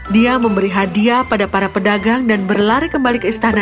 dia memberi hadiah pada para pedagang dan berlari kembali ke istana